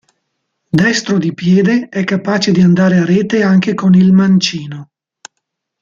Destro di piede, è capace di andare a rete anche con il mancino.